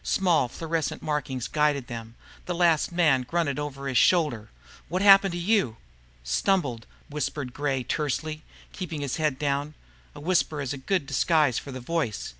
Small fluorescent markings guided them. The last man grunted over his shoulder, "What happened to you?" "Stumbled," whispered Gray tersely, keeping his head down. A whisper is a good disguise for the voice.